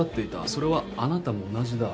それはあなたも同じだ。